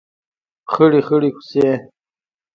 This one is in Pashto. خړې خړۍ کوڅې